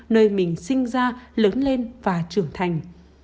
nơi mình sinh ra lớn lên và trưởng thành